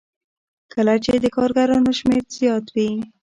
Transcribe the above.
کله چې د کارګرانو شمېر زیات وي